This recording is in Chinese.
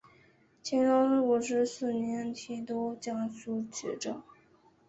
乾隆五十四年提督江苏学政。